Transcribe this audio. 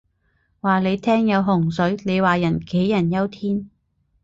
話你聽有洪水，你話人杞人憂天